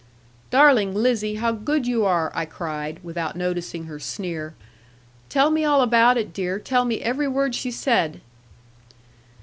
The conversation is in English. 'Darling Lizzie, how good you are!' I cried, without noticing her sneer; 'tell me all about it, dear; tell me every word she said.'